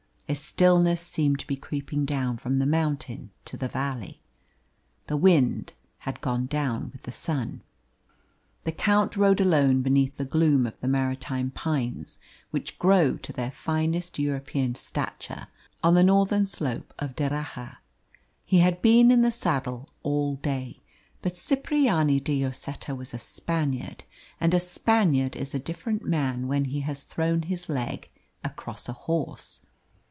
A stillness seemed to be creeping down from the mountain to the valley. The wind had gone down with the sun. The Count rode alone beneath the gloom of the maritime pines which grow to their finest European stature on the northern slope of D'Erraha. He had been in the saddle all day; but Cipriani de Lloseta was a Spaniard, and a Spaniard is a different man when he has thrown his leg across a horse.